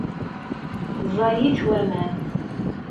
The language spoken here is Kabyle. Ẓẓayit waman.